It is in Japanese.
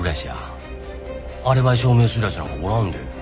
アリバイ証明する奴なんかおらんで。